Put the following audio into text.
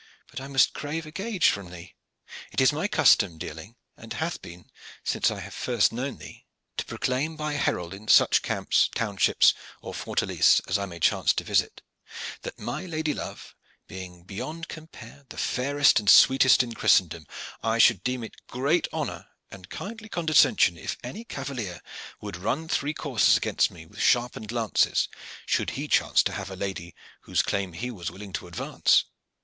"But I must crave a gage from thee. It is my custom, dearling, and hath been since I have first known thee, to proclaim by herald in such camps, townships, or fortalices as I may chance to visit, that my lady love, being beyond compare the fairest and sweetest in Christendom, I should deem it great honor and kindly condescension if any cavalier would run three courses against me with sharpened lances, should he chance to have a lady whose claim he was willing to advance.